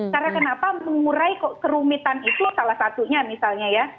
karena kenapa mengurai kok kerumitan itu salah satunya misalnya ya